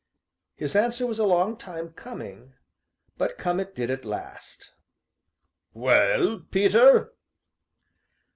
His answer was a long time coming, but come it did at last: "Well, Peter?"